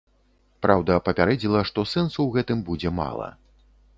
Праўда, папярэдзіла, што сэнсу ў гэтым будзе мала.